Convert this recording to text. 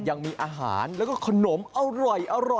ยังมีอาหารแล้วก็ขนมอร่อย